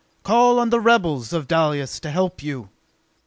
Call on the rebels of Dalis to help you!"